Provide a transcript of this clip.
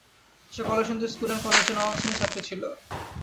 Say Kalsindur school and কলেজের নবম শ্রেণির ছাত্রী ছিল।